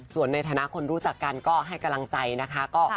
ส่วนในฐานะคนรู้จักกันก็ให้กำลังใจนะคะ